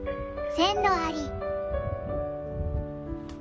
線路あり。